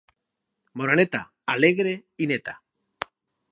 Moreneta, alegre i neta.